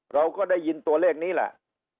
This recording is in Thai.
เราก็ได้ยินตัวเลขนี้แหละ